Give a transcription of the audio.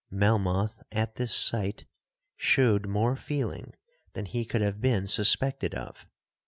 Melmoth, at this sight, shewed more feeling than he could have been suspected of.